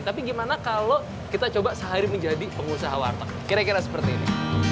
tapi gimana kalau kita coba sehari menjadi pengusaha warteg kira kira seperti ini